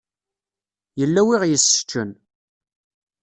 Yella wi ɣ-yesseččen.